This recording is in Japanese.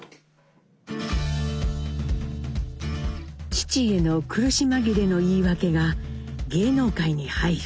父への苦し紛れの言い訳が「芸能界に入る」。